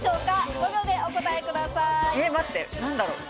５秒でお答えください。